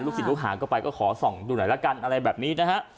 ลูกสิทธิ์ลูกหาเข้าไปก็ขอส่องดูหน่อยแล้วกันอะไรแบบนี้นะฮะ